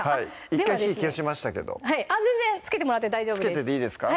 １回火消しましたけど全然つけてもらって大丈夫ですつけてていいですか？